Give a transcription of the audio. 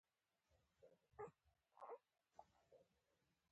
په تعلیمي سیستم، روغتیا او تنظیم کې وجود لري.